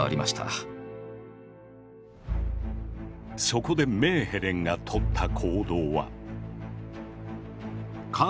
そこでメーヘレンが取った行動は。